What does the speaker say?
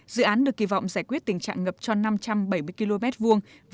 dự án được kỳ vọng giải quyết tình trạng ngập cho năm trăm bảy mươi km vuông